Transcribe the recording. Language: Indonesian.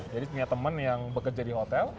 jadi punya teman yang bekerja di hotel